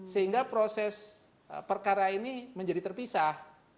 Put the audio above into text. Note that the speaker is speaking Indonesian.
sehingga proses perkara ini menjadi terpisah